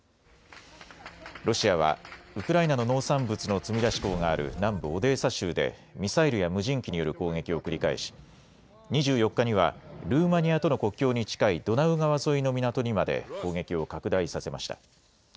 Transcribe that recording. ロシアはウクライナの農産物の積み出し港がある南部オデーサ州でミサイルや無人機による攻撃を繰り返し、２４日にはルーマニアとの国境に近いドナウ川沿いの港にまで攻撃を拡大させました。